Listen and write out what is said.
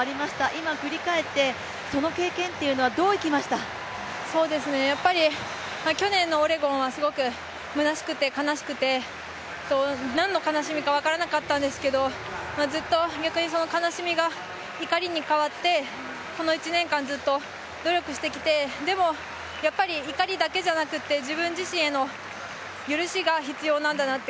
今、振り返ってその経験というのは去年のオレゴンはすごくむなしくて、悲しくて何の悲しみか分からなかったんですけどずっと逆にその悲しみが怒りに変わって、この１年間ずっと努力してきて、でもやっぱり怒りだけではなくて自分自身への許しが必要なんだなって